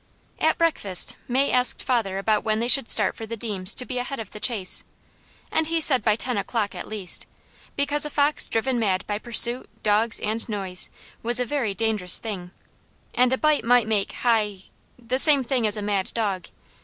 At breakfast May asked father about when they should start for Deams' to be ahead of the chase, and he said by ten o'clock at least; because a fox driven mad by pursuit, dogs, and noise, was a very dangerous thing, and a bite might make hy the same thing as a mad dog.